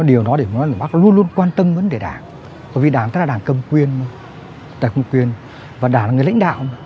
điều đó để nói là bác luôn luôn quan tâm vấn đề đảng bởi vì đảng tất cả đảng cầm quyền và đảng là người lãnh đạo